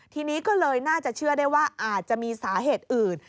ทีนี้ก็เลยน่าจะเชื่อได้ว่าอาจจะมีสาเหตุอื่น